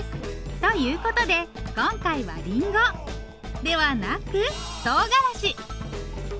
ということで今回はりんごではなくとうがらし。